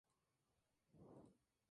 Julius Popper?